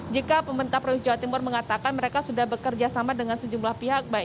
jika pemerintah provinsi jawa timur mengatakan mereka sudah bekerja sama dengan sejumlah pihak